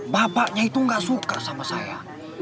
bapaknya itu gak suka sama saya